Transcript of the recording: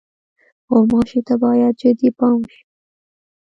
غوماشې ته باید جدي پام وشي.